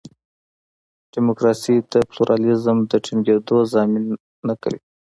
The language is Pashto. ډیموکراسي د پلورالېزم د ټینګېدو ضامن نه کوي.